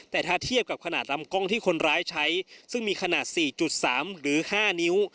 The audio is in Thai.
แต่ถ้าเทียบกับขนาดลำกล้องที่คนร้ายใช้ซึ่งมีขนาด๔๓หรือ๕นิ้ว